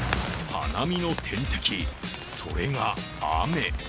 花見の天敵、それが雨。